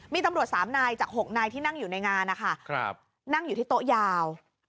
มีตำรวจ๓นายจาก๖นายที่นั่งอยู่ในงานนะคะนั่งอยู่ที่โต๊ะยาว